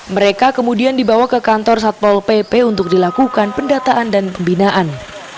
mereka kemudian dibawa ke kantor satpol pp untuk dilakukan pendataan dan pembinaan